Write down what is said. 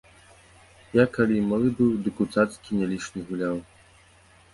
Я калі і малы быў, дык у цацкі не лішне гуляў.